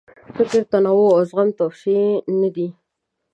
فکري تنوع او زغم توصیې نه دي.